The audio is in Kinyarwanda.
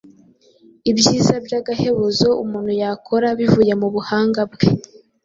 Ibyiza by’agahebuzo umuntu yakora bivuye mu buhanga bwe